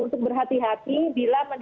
untuk berhati hati bila menerima emailnya